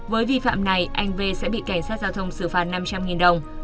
với vi phạm này anh v sẽ bị cảnh sát giao thông xử phạt năm trăm linh đồng